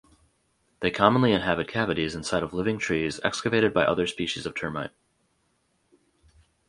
They commonly inhabit cavities inside of living trees excavated by other species of termite.